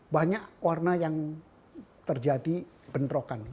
banyak warna yang terjadi bentrokan